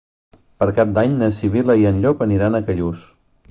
Per Cap d'Any na Sibil·la i en Llop aniran a Callús.